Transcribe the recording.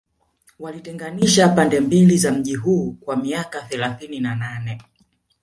Walitenganisha pande mbili za mji huu kwa miaka thelathini na nane